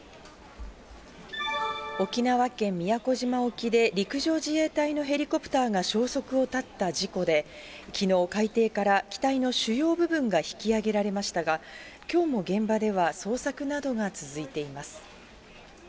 沖縄県宮古島沖で、陸上自衛隊のヘリコプターが消息を絶った事故で、きのう、海底から機体の主要部分が引き揚げられましたが、きょうも現場では捜索などが続いています。